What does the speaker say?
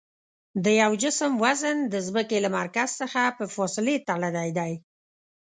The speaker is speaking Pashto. د یوه جسم وزن د ځمکې له مرکز څخه په فاصلې تړلی دی.